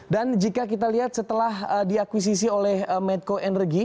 dan jika kita lihat setelah diakuisisi oleh medco energy